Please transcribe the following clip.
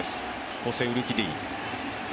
ホセ・ウルキディ。